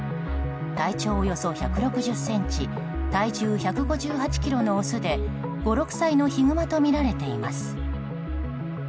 体長およそ１６０ｃｍ体重１５８ｋｇのオスで５６歳のヒグマとみられています。